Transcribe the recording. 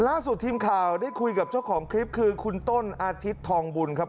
ล่าสุดทีมข่าวได้คุยกับเจ้าของคลิปคือคุณต้นอาทิตย์ทองบุญครับ